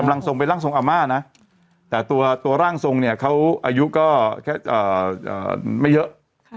กำลังทรงไปหลั่งทรงอาม่านะแต่ตัวตัวร่างสงเนี่ยเขาอายุก็แค่อ่าไม่เยอะ